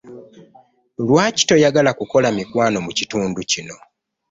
Lwaki toyagala kukola mikwano mu kitundu kino?